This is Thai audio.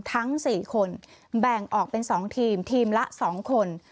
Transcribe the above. ทั้ง๔คนแบ่งออกเป็น๒ทีมทีมละ๒คน